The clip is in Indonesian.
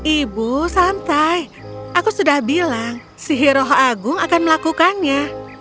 ibu santai aku sudah bilang sihir roh agung akan melakukannya